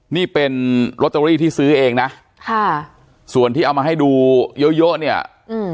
นี่เป็นลอตเตอรี่ที่ซื้อเองนะค่ะส่วนที่เอามาให้ดูเยอะเยอะเนี่ยอืม